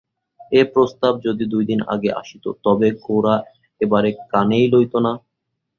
এ প্রস্তাব যদি দুইদিন আগে আসিত তবে গোরা একেবারে কানেই লইত না।